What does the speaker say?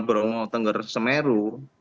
national borongo tengger semeru